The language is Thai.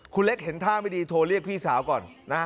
คุณเล็กเห็นท่าไม่ดีโทรเรียกพี่สาวก่อนนะฮะ